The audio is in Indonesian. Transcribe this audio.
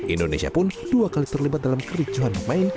indonesia pun dua kali terlibat dalam kericuhan pemain